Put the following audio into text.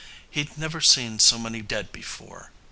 _"He'd never seen so many dead before."